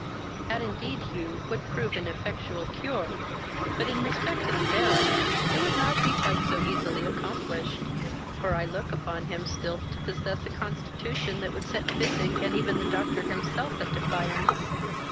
"That, indeed, Hugh, would prove an effectual cure; but, in respect to the Baron, it would not be quite so easily accomplished; for I look upon him still to possess a constitution that would set physic and even the doctor himself at defiance.